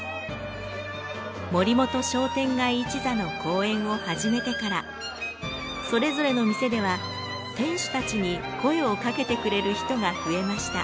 森本商店街一座の公演を始めてからそれぞれの店では店主たちに声をかけてくれる人が増えました。